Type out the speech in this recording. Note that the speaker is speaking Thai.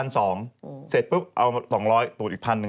เสร็จปุ๊บเอา๒๐๐ตูดอีก๑๐๐๐หนึ่ง